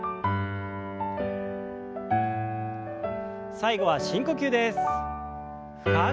最後は深呼吸です。